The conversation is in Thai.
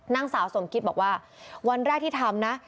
นางสาวสมคิตบอกว่าวันแรกที่ทำนะ